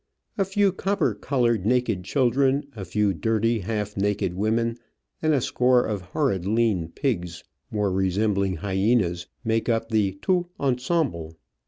A few copper coloured, naked children, a few dirty, half naked women, and a score of horrid lean pigs, more resembling hyenas, make up the totU ensemble.